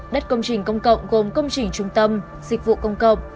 đất công trình công cộng gồm công trình trung tâm dịch vụ công cộng